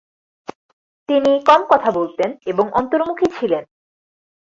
তিনি কম কথা বলতেন এবং অন্তর্মুখী ছিলেন।